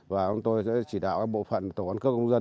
và chúng tôi sẽ chỉ đạo các bộ phận tổ quán cước công dân